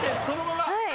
そのまま！